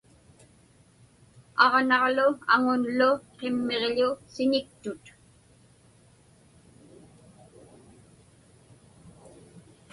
Aġnaġlu aŋunlu qimmiġḷu siñiktut.